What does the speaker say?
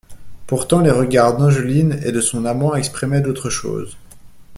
Pourtant les regards d'Angeline et de son amant exprimaient d'autres choses.